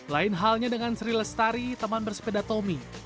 lain halnya dengan sri lestari teman bersepeda tommy